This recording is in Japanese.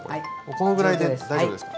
このぐらいで大丈夫ですか？